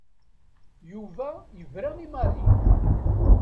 Yuba yebra i Mary.